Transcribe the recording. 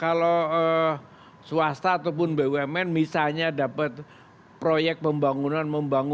kalau swasta ataupun bumn misalnya dapat proyek pembangunan